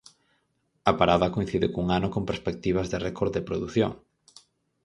A parada coincide cun ano con perspectivas de récord de produción.